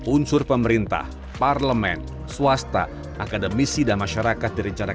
unsur pemerintah parlemen swasta akademisi dan masyarakat direncanakan